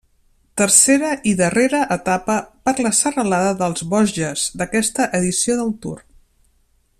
Tercera i darrera etapa per la serralada dels Vosges d'aquesta edició del Tour.